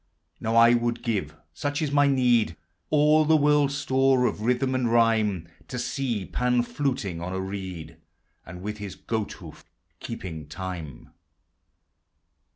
Now I would give (such is my need) All the world's store of rhythm and rhyme To see Pan fluting on a reed And with his goat hoof keeping time